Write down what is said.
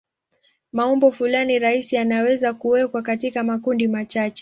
Maumbo fulani rahisi yanaweza kuwekwa katika makundi machache.